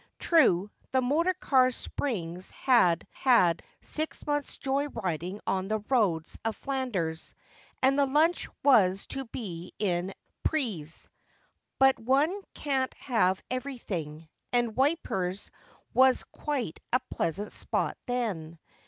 True, the motor car's springs had had six months' joy riding on the roads of Flanders, and the lunch was to be in Ypres ; but one can't have everything — and Wipers was quite a pleasant spot then.